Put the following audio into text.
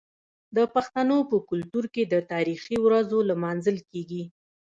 د پښتنو په کلتور کې د تاریخي ورځو لمانځل کیږي.